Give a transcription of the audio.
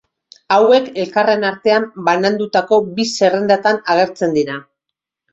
Hauek elkarren artean banandutako bi zerrendetan agertzen dira.